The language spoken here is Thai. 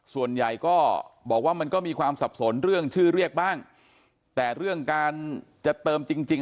ส่วนใหญ่ก็บอกว่ามันก็มีความสับสนเรื่องชื่อเรียกบ้างแต่เรื่องการจะเติมจริงจริง